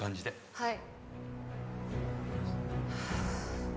はい。